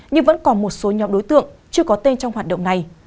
nhưng vẫn còn một số nhóm đối tượng chưa có tên trong hoạt động này